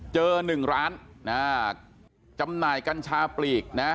หนึ่งร้านจำหน่ายกัญชาปลีกนะ